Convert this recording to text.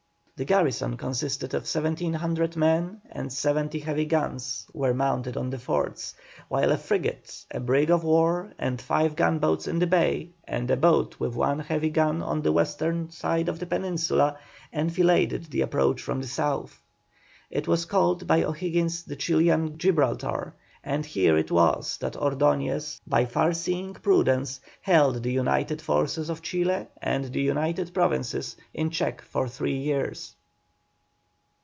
The garrison consisted of 1,700 men and seventy heavy guns were mounted on the forts, while a frigate, a brig of war, and five gunboats in the bay, and a boat with one heavy gun on the western side of the peninsula, enfiladed the approach from the South. It was called by O'Higgins the Chilian Gibraltar, and here it was that Ordoñez by far seeing prudence, held the united forces of Chile and the United Provinces in check for three years.